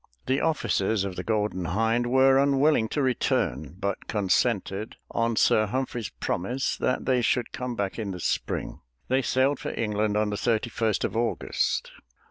The officers of the Golden Hind were unwilling to return, but consented on Sir Humphrey's promise that they should come back in the spring; they sailed for England on the 31st of August.